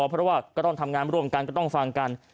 เพราะว่าก็ต้องทำงานร่วมกันก็ต้องฟังกัน